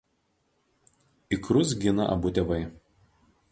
Ikrus gina abu tėvai.